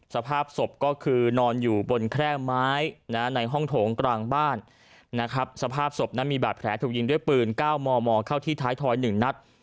สภาพศพก็คือนอนอยู่บนแคร่ไม้ในห้องโถงกลางบ้านนะครับสภาพศพนั้นมีบาดแผลถูกยิงด้วยปืน๙มมเข้าที่ท้ายทอย๑นัด